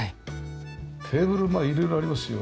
テーブルまあ色々ありますよ。